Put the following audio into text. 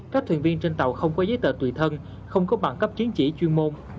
các thuyền viên trên tàu không có giấy tờ tùy thân không có bằng cấp chứng chỉ chuyên môn